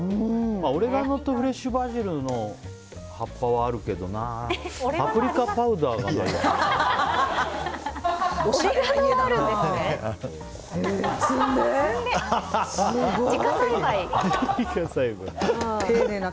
オレガノとフレッシュバジルの葉っぱはあるけどなパプリカパウダーがないな。